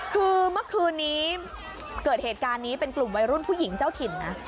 คือเมื่อคืนนี้เกิดเหตุการณ์นี้เป็นกลุ่มวัยรุ่นผู้หญิงเจ้าถิ่นนะ